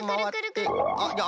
あっ。